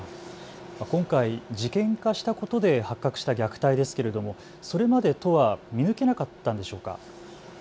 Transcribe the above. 今回、事件化したことで発覚した虐待ですけれども、それまで都は見抜けなかったんでしょうか。